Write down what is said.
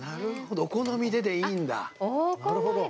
お好みででいいんだ。